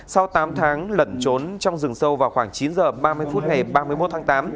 sau tám tháng lẩn trốn trong rừng sâu vào khoảng chín h ba mươi phút ngày ba mươi một tháng tám